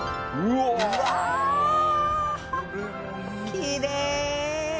きれい！